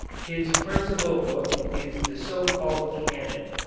His principal book is the so called "Canon."